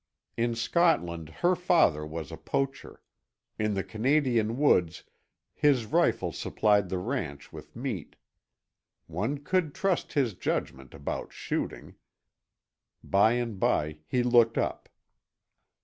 In Scotland her father was a poacher; in the Canadian woods his rifle supplied the ranch with meat. One could trust his judgment about shooting. By and by he looked up.